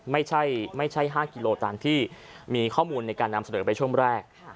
ไม่ใช่๕กิโลตามที่มีข้อมูลในการนำเสนอไปช่วงแรก